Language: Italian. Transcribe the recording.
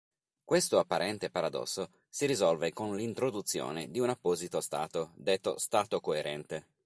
Questo apparente paradosso si risolve con l'introduzione di un apposito stato, detto "stato coerente".